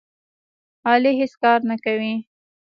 علي هېڅ کار نه کوي.